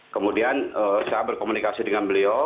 kemudian saya berkomunikasi dengan beliau